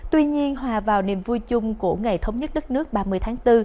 tuy nhiên hòa vào niềm vui chung của ngày thống nhất đất nước ba mươi tháng bốn